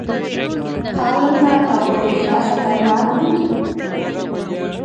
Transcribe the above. تالنده او برېښنا خطرناک دي؟